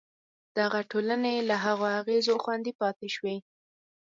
دغه ټولنې له هغو اغېزو خوندي پاتې شوې.